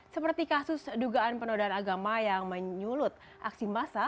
seperti kasus dugaan penodaan agama yang menyulut aksi massa